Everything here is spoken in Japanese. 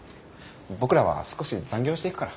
僕らは少し残業していくから。